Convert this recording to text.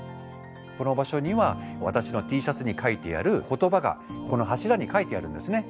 この場所には私のＴシャツに書いてある言葉がこの柱に書いてあるんですね。